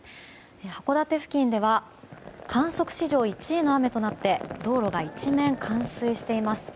函館付近では観測史上１位の雨となって道路が一面冠水しています。